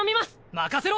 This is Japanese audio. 任せろ！